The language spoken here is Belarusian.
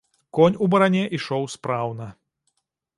Конь у баране ішоў спраўна.